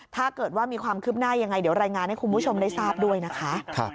ถ้าเกิดว่ามีความคืบหน้ายังไงเดี๋ยวรายงานให้คุณผู้ชมได้ทราบด้วยนะคะ